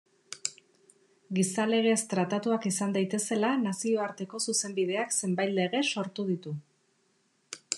Giza-legez tratatuak izan daitezela nazioarteko zuzenbideak zenbait lege sortu ditu.